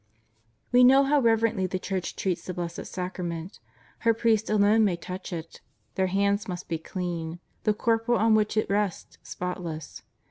We know how reverently the Church treats the Blessed Sacrament. Her priests alone may touch it. Their hands must be clean; the corporal on which It rests spotless.